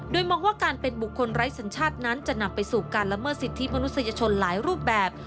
โดยมองว่าการเป็นบุคคลไร้สัญชาตินั้นจะนำไปสู่การละเมิดสิทธิมนุษยชนหลายรูปแบบ